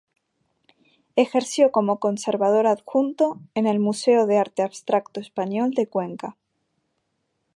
Ejerció como Conservador Adjunto en el Museo de Arte Abstracto Español de Cuenca.